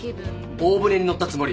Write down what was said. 「大船に乗ったつもり」？